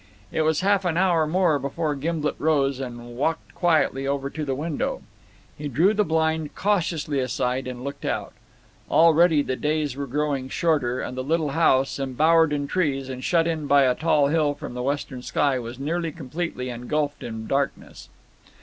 It was half an hour more before Gimblet rose, and walked quietly over to the window. He drew the blind cautiously aside and looked out. Already the days were growing shorter, and the little house, embowered in trees, and shut in by a tall hill from the western sky, was nearly completely engulfed in darkness.